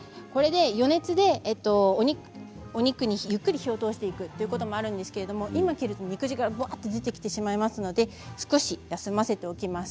余熱でお肉にゆっくり火を通していくことがあるんですが今切ると肉汁がぶわっと出てきてしまいますので少し休ませておきます。